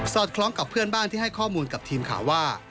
คล้องกับเพื่อนบ้านที่ให้ข้อมูลกับทีมข่าวว่า